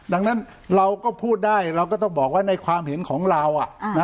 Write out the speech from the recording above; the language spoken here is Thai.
ดังนั้นเราก็พูดได้เราก็ต้องบอกว่าในความเห็นของเรา